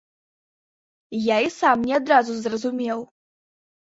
Я і сам не адразу зразумеў.